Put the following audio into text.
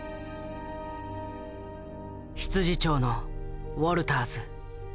執事長のウォルターズ。